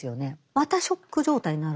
またショック状態になるわけです。